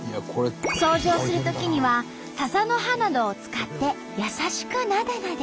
掃除をするときにはササの葉などを使って優しくなでなで。